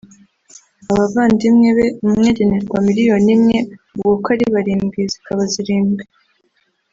abavandimwe be umwe agenerwa miliyoni imwe ubwo kuko ari barindwi zikaba zirindwi